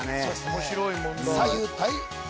面白い問題